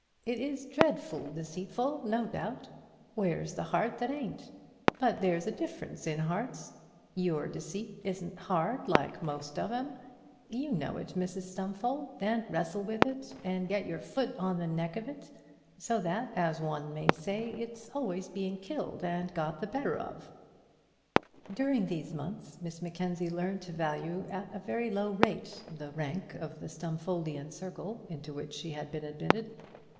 "It is dreadful deceitful, no doubt. Where's the heart that ain't? But there's a difference in hearts. Your deceit isn't hard like most of 'em. You know it, Mrs Stumfold, and wrestle with it, and get your foot on the neck of it, so that, as one may say, it's always being killed and got the better of." During these months Miss Mackenzie learned to value at a very low rate the rank of the Stumfoldian circle into which she had been admitted.